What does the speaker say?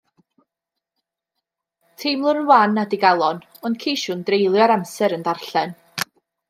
Teimlwn yn wan a digalon, ond ceisiwn dreulio yr amser yn darllen.